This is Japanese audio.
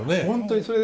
本当に。